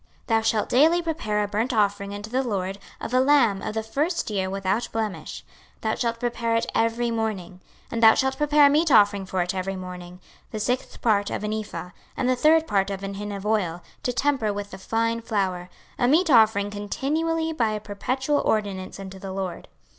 26:046:013 Thou shalt daily prepare a burnt offering unto the LORD of a lamb of the first year without blemish: thou shalt prepare it every morning. 26:046:014 And thou shalt prepare a meat offering for it every morning, the sixth part of an ephah, and the third part of an hin of oil, to temper with the fine flour; a meat offering continually by a perpetual ordinance unto the LORD.